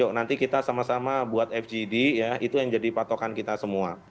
yuk nanti kita sama sama buat fgd ya itu yang jadi patokan kita semua